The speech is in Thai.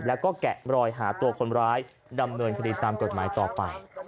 แล้วก็แกะรอยหาตัวคนร้ายดำเนินคดีตามกฎหมายต่อไป